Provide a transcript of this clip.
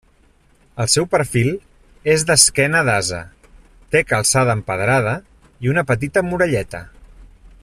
El seu perfil és d'esquena d'ase, té calçada empedrada i una petita muralleta.